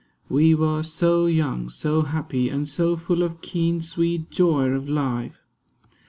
We were so young, so happy, and so full Of keen sweet joy of life.